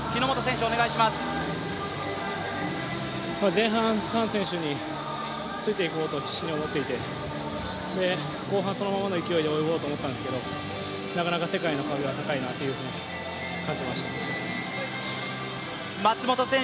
前半、覃選手についていこうと必死に思っていて後半、そのままの勢いで泳ごうと思ったんですけど、なかなか世界の壁は高いなということを感じましたね。